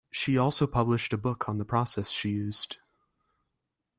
She also published a book on the process she used.